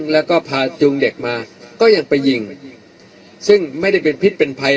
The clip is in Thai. แล้วก็พาจูงเด็กมาก็ยังไปยิงซึ่งไม่ได้เป็นพิษเป็นภัย